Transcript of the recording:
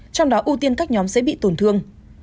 trong đó ưu tiên các nhóm dễ bị tổn thương